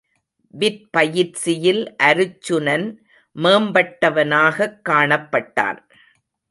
விற்பயிற்சியில் அருச்சுனன் மேம்பட்டவனாகக் காணப்பட்டான்.